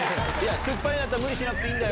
酸っぱいなら無理しなくていいんだよ。